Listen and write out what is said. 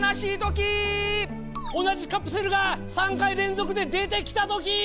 同じカプセルが３回連続で出てきたときー！